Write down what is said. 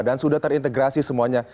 dan sudah terintegrasi semuanya